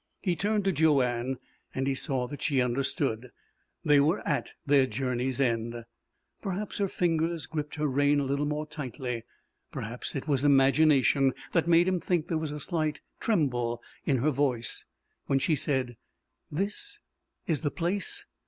He turned to Joanne, and he saw that she understood. They were at their journey's end. Perhaps her fingers gripped her rein a little more tightly. Perhaps it was imagination that made him think there was a slight tremble in her voice when she said: "This is the place?"